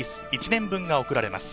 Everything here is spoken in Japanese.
１年分が贈られます。